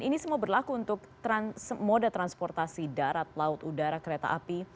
ini semua berlaku untuk moda transportasi darat laut udara kereta api